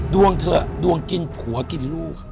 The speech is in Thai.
เถอะดวงกินผัวกินลูก